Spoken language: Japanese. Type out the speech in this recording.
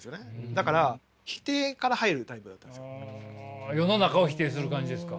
だから世の中を否定する感じですか？